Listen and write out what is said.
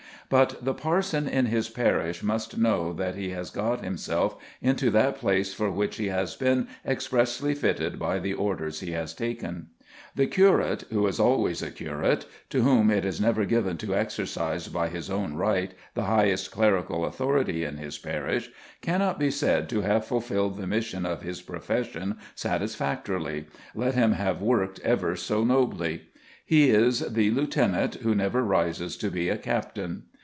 But the parson in his parish must know that he has got himself into that place for which he has been expressly fitted by the orders he has taken. The curate, who is always a curate, to whom it is never given to exercise by his own right the highest clerical authority in his parish, cannot be said to have fulfilled the mission of his profession satisfactorily, let him have worked ever so nobly. He is as the lieutenant who never rises to be a captain.